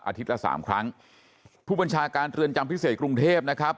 ละสามครั้งผู้บัญชาการเรือนจำพิเศษกรุงเทพนะครับ